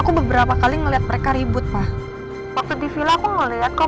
aku beberapa kali ngelihat mereka rindu ya aku nggak nodo pak aku beberapa kali ngelihat mereka rindu ya